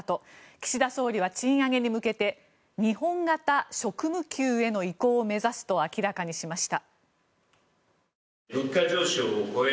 岸田総理は賃上げに向けて日本型職務給への移行を目指すと明らかにしました。